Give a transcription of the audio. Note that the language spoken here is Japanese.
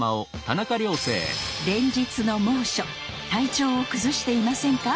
連日の猛暑体調を崩していませんか？